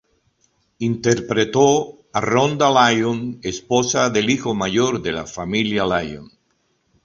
Interpretó a Rhonda Lyon, esposa del hijo mayor de la familia Lyon.